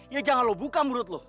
ya jangan lo buka menurut lo